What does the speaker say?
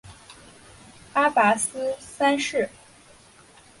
阿拔斯三世。